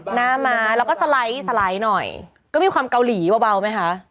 หน้าม้าแล้วก็สไลด์สไลด์หน่อยก็มีความเกาหลีเบาไหมคะ